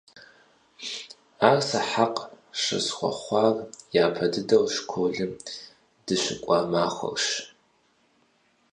Ар сэ хьэкъ щысщыхъуар япэ дыдэу школым дыщыкӀуа махуэрщ.